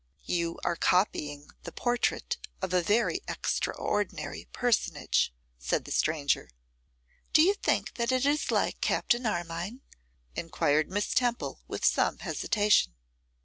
'You are copying the portrait of a very extraordinary personage,' said the stranger. 'Do you think that it is like Captain Armine?' enquired Miss Temple with some hesitation.